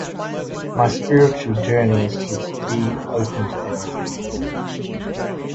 My spiritual journey is to be open to everything.